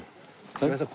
すいません